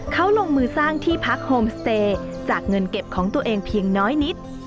เขาลงมือสร้างที่พักโฮมสเตย์จากเงินเก็บของตัวเองเพียงน้อยนิด